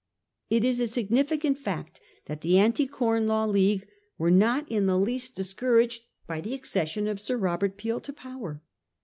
It is a significant fact that the Anti Corn Law League were not in the least discouraged by the ac cession of Sir Robert Peel to power.